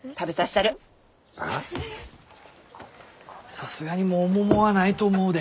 さすがにもう桃はないと思うで。